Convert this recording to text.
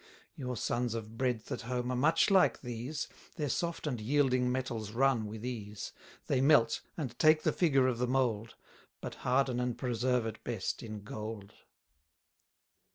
Your sons of breadth at home are much like these; Their soft and yielding metals run with ease: They melt, and take the figure of the mould; But harden and preserve it best in gold.